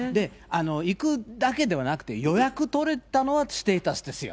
行くだけではなくて、予約取れたのは、ステータスですよ。